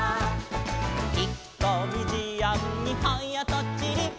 「ひっこみじあんにはやとちり」